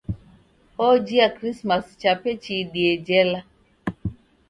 Ojia Krisimasi chape chiidie jela.